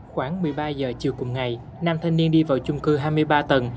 khoảng một mươi ba h chiều cùng ngày nam thanh niên đi vào chung cư hai mươi ba tầng